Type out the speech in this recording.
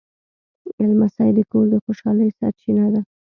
لمسی د کور د خوشحالۍ سرچینه ده.